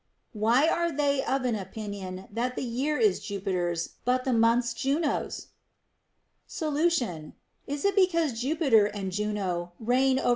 Why are they of an opinion that the year is Jupiter's, but the months Juno's ? Solution. Is it because Jupiter and Juno reign over the * From Sophocles, Frag.